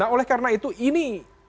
oleh karena itu ini